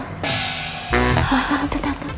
mas al udah dateng